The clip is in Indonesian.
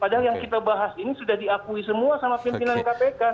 padahal yang kita bahas ini sudah diakui semua sama pimpinan kpk